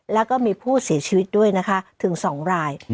แล้วก็มีผู้เสียชีวิตด้วยนะคะถึง๒ราย